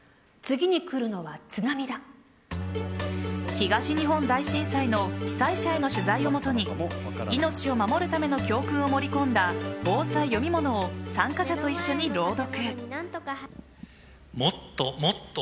東日本大震災の被災者への取材をもとに命を守るための教訓を盛り込んだぼうさい読み物を参加者と一緒に朗読。